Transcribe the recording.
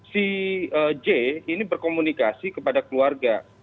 si j ini berkomunikasi kepada keluarga